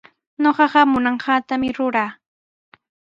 Ñuqaqa munanqaatami ruraa.